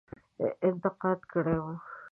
انتقاد کړی وو.